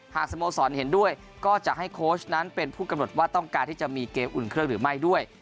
สโมสรเห็นด้วยก็จะให้โค้ชนั้นเป็นผู้กำหนดว่าต้องการที่จะมีเกมอุ่นเครื่องหรือไม่ด้วย